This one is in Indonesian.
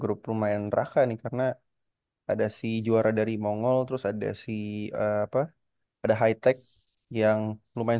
grup lumayan raka nih karena ada si juara dari monggol terus ada si apa ada high tech yang lumayan